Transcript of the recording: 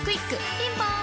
ピンポーン